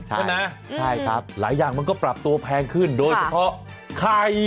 ใช่ไหมใช่ครับหลายอย่างมันก็ปรับตัวแพงขึ้นโดยเฉพาะไข่